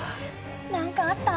何かあった？